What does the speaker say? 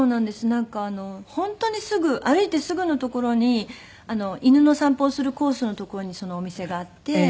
なんか本当にすぐ歩いてすぐの所に犬の散歩をするコースの所にそのお店があって。